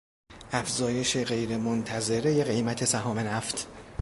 افزایش غیر منتظرهی قیمت سهام نفت